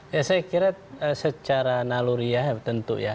ya saya kira secara naluriah tentu ya